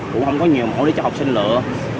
cũng không có nhiều mẫu để cho học sinh nữa